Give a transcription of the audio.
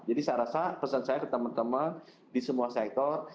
jadi saya rasa pesan saya ke teman teman di semua sektor